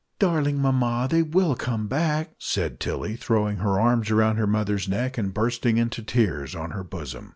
"Darling mamma, they will come back!" said Tilly, throwing her arms round her mother's neck, and bursting into tears on her bosom.